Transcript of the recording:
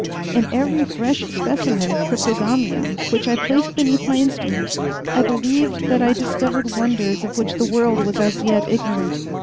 In every fresh specimen of cryptogamia which I placed beneath my instrument I believed that I discovered wonders of which the world was as yet ignorant.